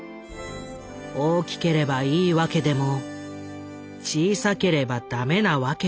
大きければいい訳でも小さければダメな訳でもない」。